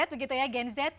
begitu ya gen z